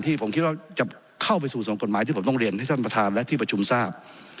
ที่ผมคิดว่าจะเข้าไปสู่ส่งกฎหมายที่ผมต้องเรียนให้ท่านประธานและที่ประชุมทราบ